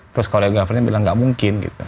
terus koreografernya bilang gak mungkin gitu